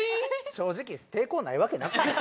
正直抵抗ないわけなくない？